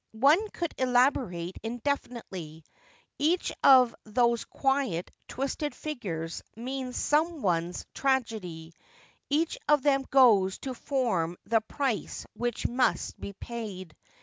One could elaborate indefinitely. Each of those quiet, twisted figures means some one's tragedy : each of them goes to form the price which must be paid.